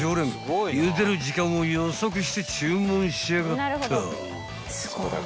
［ゆでる時間を予測して注文しやがった］